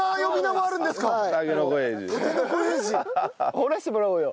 掘らしてもらおうよ。